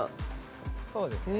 そうですね。